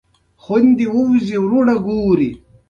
زما په اند که څوک دومره نيږدې اړکې سره ولري